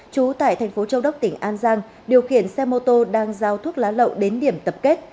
trú tại thành phố châu đốc tỉnh an giang điều khiển xe mô tô đang giao thuốc lá lậu đến điểm tập kết